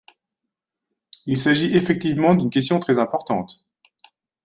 Il s’agit effectivement d’une question très importante.